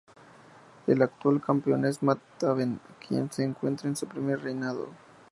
El actual campeón es Matt Taven, quien se encuentra en su primer reinado.